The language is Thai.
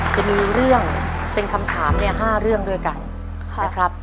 จะมีเรื่องเป็นคำถามเนี่ย๕เรื่องด้วยกันนะครับ